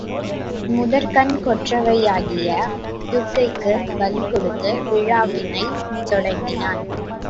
முதற்கண் கொற்றவையாகிய துர்க்கைக்குப் பலிகொடுத்து விழாவினைத் தொடங்கினான்.